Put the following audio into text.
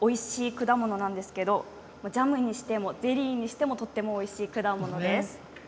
ハスカップ、北海道特産のおいしい果物なんですけどジャムにしてもゼリーにしてもとってもおいしい果物です。